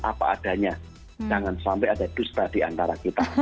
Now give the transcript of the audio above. apa adanya jangan sampai ada dusta di antara kita